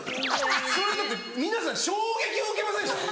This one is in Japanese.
それだって皆さん衝撃を受けませんでしたか？